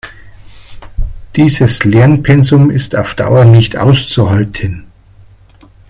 Dieses Lernpensum ist auf Dauer nicht auszuhalten.